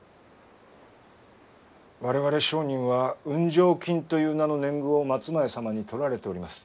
我々商人は「運上金」という名の年貢を松前様に取られております。